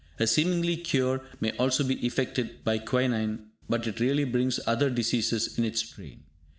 A seeming cure may also be effected by quinine, but it really brings other diseases in its train.